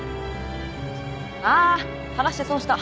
あ話して損した。